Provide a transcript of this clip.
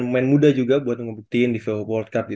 pemain muda juga buat ngebuktiin di viva world cup